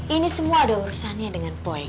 ini semua ada urusannya dengan poi